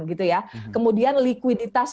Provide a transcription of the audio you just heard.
gitu ya kemudian likuiditas